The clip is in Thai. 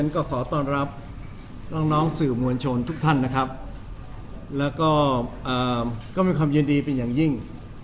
ก็ขอต้อนรับน้องสื่อมวลชนทุกท่านนะครับแล้วก็มีความยินดีเป็นอย่างยิ่ง